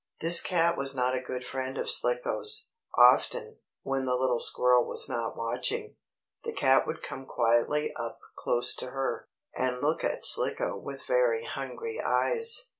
This cat was not a good friend of Slicko's. Often, when the little squirrel was not watching, the cat would come quietly up close to her, and look at Slicko with very hungry eyes.